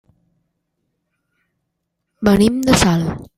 Venim de Salt.